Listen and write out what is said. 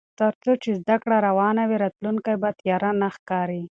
تر څو چې زده کړه روانه وي، راتلونکی به تیاره نه ښکاري.